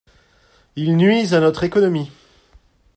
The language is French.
Ils nuisent à notre économie.